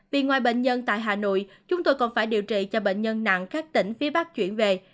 vì ngoài bệnh nhân tại hà nội chúng tôi còn phải điều trị cho bệnh nhân nặng các tỉnh phía bắc chuyển về